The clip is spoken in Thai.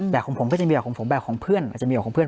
แต่ของผมก็จะมีแบบของผมแบบของเพื่อนอาจจะมีออกของเพื่อน